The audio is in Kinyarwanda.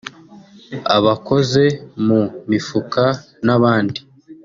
abakoze mu mifuka n’abandi